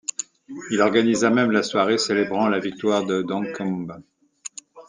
Il organisa même la soirée célébrant la victoire de Duncombe.